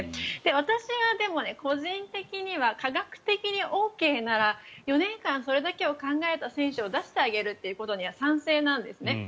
私が個人的には科学的にＯＫなら４年間、それだけを考えた選手を出してあげるということには賛成なんですね。